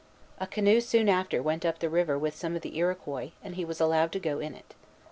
A canoe soon after went up the river with some of the Iroquois, and he was allowed to go in it.